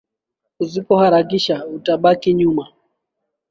Usipo harakisha utabaki nyuma